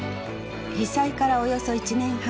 被災からおよそ１年半。